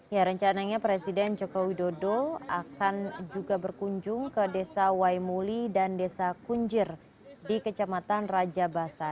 ya rencananya presiden joko widodo akan juga berkunjung ke desa waimuli dan desa kunjir di kecamatan raja basah